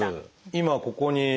今ここに。